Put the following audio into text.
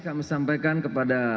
saya menyampaikan kepada